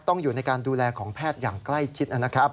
ต้องอยู่ในการดูแลของแพทย์อย่างใกล้ชิดนะครับ